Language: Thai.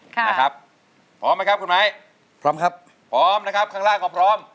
ค่ะนะครับพร้อมไหมครับคุณไม้พร้อมครับพร้อมนะครับข้างล่างก็พร้อม